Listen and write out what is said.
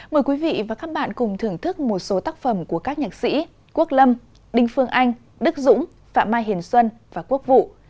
mời quý vị và các bạn cùng thưởng thức một số tác phẩm của các nhạc sĩ quốc lâm đinh phương anh đức dũng phạm mai hiền xuân và quốc vụ